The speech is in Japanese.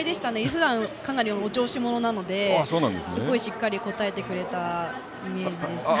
ふだん、かなりお調子者なのですごくしっかり答えてくれたイメージですね。